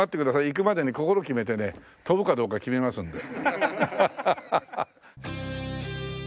行くまでに心決めてね飛ぶかどうか決めますんで。